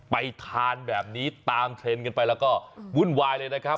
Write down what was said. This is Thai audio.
ไปทานแบบนี้ตามเทรนด์กันไปแล้วก็วุ่นวายเลยนะครับ